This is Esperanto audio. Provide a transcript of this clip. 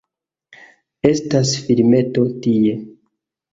Estas filmeto tie